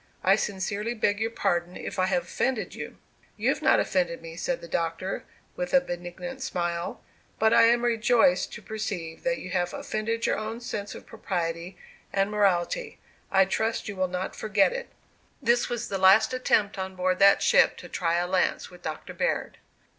I sincerely beg your pardon, if I have offended you." "You have not offended me," said the Doctor, with a benignant smile; "but I am rejoiced to perceive that you have offended your own sense of propriety and morality. I trust you will not forget it." This was the last attempt on board that ship to try a lance with Doctor Baird.